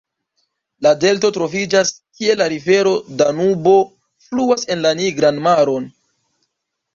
La delto troviĝas, kie la rivero Danubo fluas en la Nigran maron.